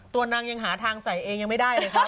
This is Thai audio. ตัวนางยังหาทางใส่เองยังไม่ได้เลยครับ